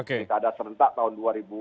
kita ada serentak tahun dua ribu dua puluh empat